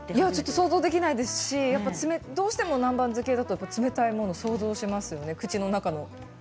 想像できないですし、どうしても南蛮漬けだと冷たいものを想像しますよね。